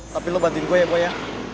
tapi lo bantuin gue ya boy ya